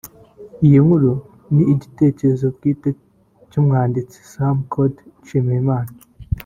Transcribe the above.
Iyi nkuru ni igitekerezo bwite cy’umwanditsi Sam Gody Nshimiyimana